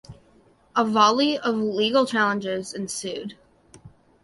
A volley of legal challenges ensued.